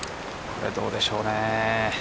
これ、どうでしょうね。